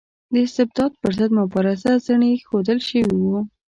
د استبداد پر ضد مبارزه زڼي ایښودل شوي وو.